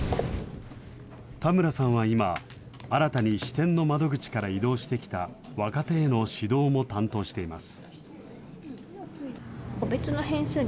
田村さんは今、新たに支店の窓口から異動してきた若手への指導も担当しています。